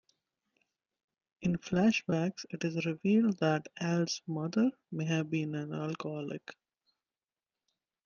In flashbacks, it is revealed that Al's mother may have been an alcoholic.